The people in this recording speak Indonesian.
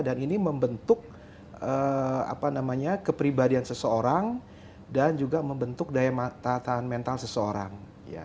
dan ini membentuk apa namanya kepribadian seseorang dan juga membentuk daya tahan mental seseorang